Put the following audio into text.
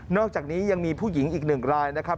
อกจากนี้ยังมีผู้หญิงอีกหนึ่งรายนะครับ